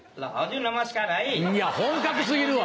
いや本格過ぎるわ。